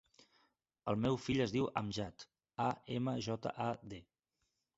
El meu fill es diu Amjad: a, ema, jota, a, de.